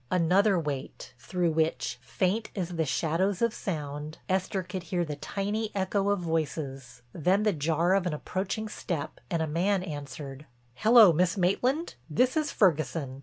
Another wait, through which, faint as the shadows of sound, Esther could hear the tiny echo of voices, then the jar of an approaching step and a man answered: "Hello, Miss Maitland, this is Ferguson.